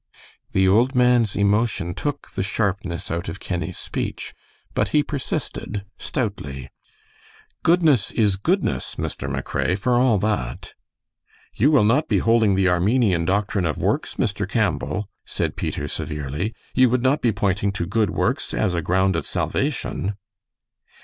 The old man's emotion took the sharpness out of Kenny's speech, but he persisted, stoutly, "Goodness is goodness, Mr. McRae, for all that." "You will not be holding the Armenian doctrine of works, Mr. Campbell?" said Peter, severely. "You would not be pointing to good works as a ground of salvation?"